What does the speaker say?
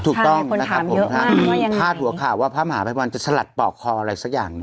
ถูกต้องนะครับผมพาดหัวข่าวว่าพระมหาภัยวันจะสลัดปอกคออะไรสักอย่างหนึ่ง